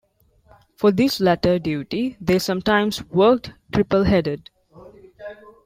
For this latter duty they sometimes worked triple-headed.